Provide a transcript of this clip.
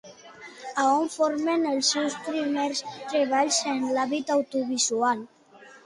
A on foren els seus primers treballs en l'àmbit audiovisual?